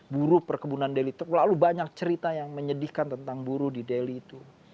buru perkebunan delhi terlalu banyak cerita yang menyedihkan tentang buru di delhi itu